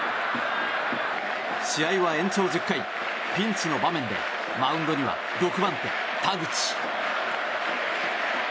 試合は延長１０回ピンチの場面でマウンドには６番手、田口。